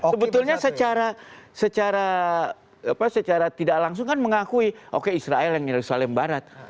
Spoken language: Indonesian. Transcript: sebetulnya secara tidak langsung kan mengakui oke israel yang yerusalem barat